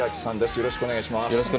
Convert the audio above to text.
よろしくお願いします。